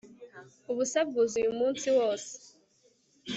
ubusa bwuzuye umunsi wose